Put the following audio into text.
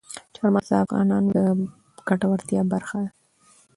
چار مغز د افغانانو د ګټورتیا برخه ده.